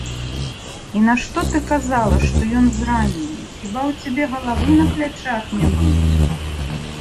І нашто ты казала, што ён зранены, хіба ў цябе галавы на плячах няма?